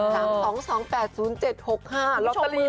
ชมมืออีกแล้วเนี่ย